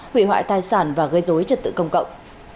hủy hoại tài sản và gây dối trật tự công cộng